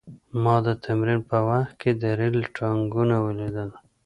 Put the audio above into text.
ما د تمرین په وخت کې د ریل ټانکونه ولیدل